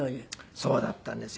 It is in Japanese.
そうだったんですよ。